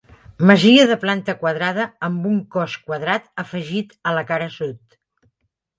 Masia de planta quadrada amb un cos quadrat afegit a la cara sud.